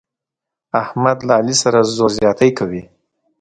احمد له علي سره زور زیاتی کوي.